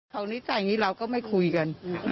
เท่านี้จากนี้เราก็ไม่คุยกัน